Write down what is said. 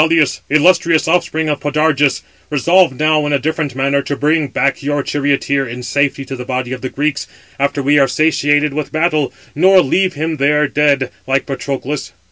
"Xanthus, and Balius, illustrious offspring of Podarges, resolve now in a different manner to bring back your charioteer in safety to the body of the Greeks, after we are satiated with battle, nor leave him there dead, like Patroclus."